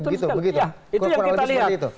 betul sekali ya